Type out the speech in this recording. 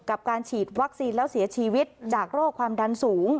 การฉีดวัคซีนแล้วเสียชีวิตจากโรคความดันสูง